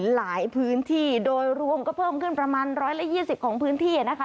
หลายพื้นที่โดยรวมก็เพิ่มขึ้นประมาณ๑๒๐ของพื้นที่นะคะ